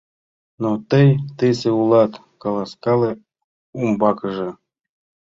— Но тый тысе улат, каласкале умбакыже.